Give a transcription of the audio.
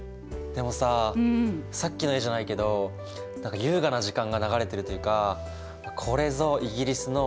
でもささっきの絵じゃないけど何か優雅な時間が流れてるというかこれぞイギリスの文化と歴史って感じだよね。